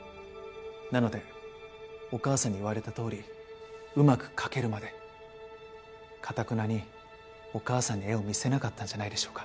なのでお母さんに言われたとおりうまく描けるまでかたくなにお母さんに絵を見せなかったんじゃないでしょうか。